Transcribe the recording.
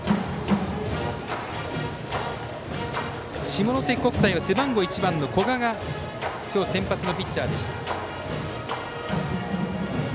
下関国際は背番号１番の古賀が今日、先発のピッチャーでした。